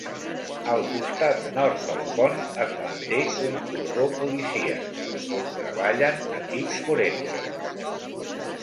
Al costat nord del pont es manté un cordó policíac, on treballen equips forenses.